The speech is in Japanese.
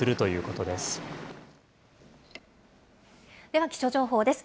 では、気象情報です。